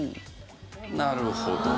なるほど。